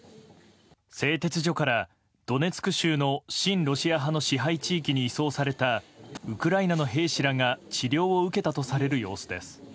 製鉄所から、ドネツク州の親ロシア派の支配地域に移送されたウクライナの兵士らが治療を受けたとされる様子です。